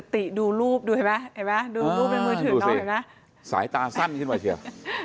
ติดูรูปดูเห็นไหมเห็นไหมดูรูปในมือถือหน่อยเห็นไหมสายตาสั้นขึ้นมาเชียว